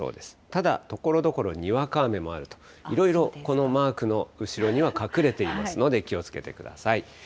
ただ、ところどころにわか雨もあると、いろいろ、このマークの後ろには隠れていますので、気をつけてください。